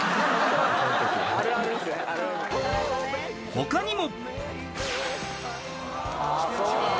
［他にも］